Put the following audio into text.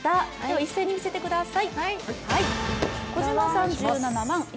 一斉に見せてください。